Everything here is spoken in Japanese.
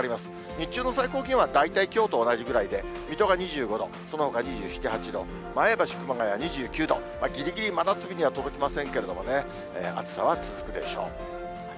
日中の最高気温は大体きょうと同じぐらいで、水戸が２５度、そのほか２７、８度、前橋、熊谷２９度、ぎりぎり真夏日には届きませんけれどもね、暑さは続くでしょう。